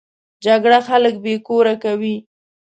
جګړه خلک بې کوره کوي